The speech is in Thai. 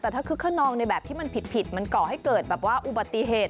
แต่ถ้าคึกขนองในแบบที่มันผิดมันก่อให้เกิดแบบว่าอุบัติเหตุ